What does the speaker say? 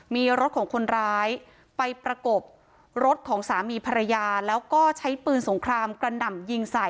มีรถของคนร้ายไปประกบรถของสามีภรรยาแล้วก็ใช้ปืนสงครามกระหน่ำยิงใส่